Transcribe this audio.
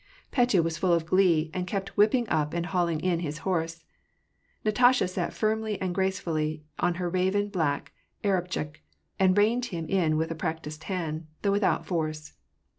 Petya was full of glee, and kept whipping up and hauling in his horse. Natasha sat firmly and gracefully on her raven black Arabchik, and i*eined him in with a practised hand, though without force.